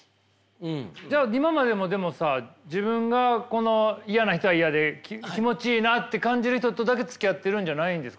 じゃあ今までも自分がこの嫌な人は嫌で気持ちいいなって感じる人とだけつきあっているんじゃないんですか。